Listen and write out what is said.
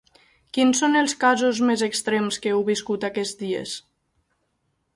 Quins són els casos més extrems que heu viscut aquests dies?